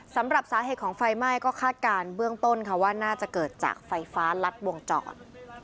สำหรับสาเหตุของไฟไหม้ก็คาดการณ์เบื้องต้นค่ะว่าน่าจะเกิดจากไฟฟ้ารัดวงจร